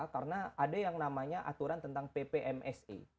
karena ada yang namanya aturan tentang ppmse